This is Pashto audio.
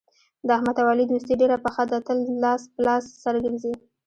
د احمد او علي دوستي ډېره پخه ده تل لاس په لاس سره ګرځي.